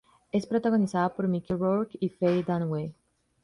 Es protagonizada por Mickey Rourke y Faye Dunaway.